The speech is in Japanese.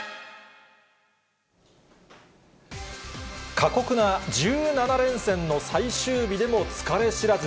過酷な１７連戦の最終日でも疲れ知らず。